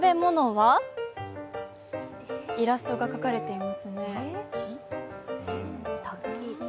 イラストが描かれていますね。